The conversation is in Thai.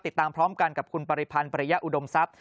ติดตามพร้อมกันกับคุณปริพันธ์ปริยะอุดมทรัพย